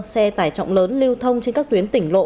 xe tải trọng lớn lưu thông trên các tuyến tỉnh lộ